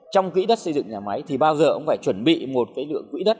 trong kỹ đất xây dựng nhà máy thì bao giờ không phải chuẩn bị một cái lượng kỹ đất